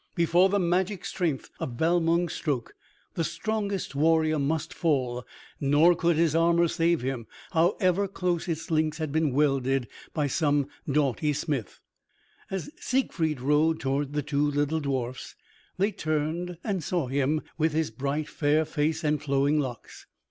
Before the magic strength of Balmung's stroke, the strongest warrior must fall, nor could his armor save him, however close its links had been welded by some doughty smith. As Siegfried rode towards the two little dwarfs, they turned and saw him, with his bright, fair face, and flowing locks.